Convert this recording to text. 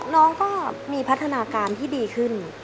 น้องก็มีพัฒนาการที่ดีขึ้น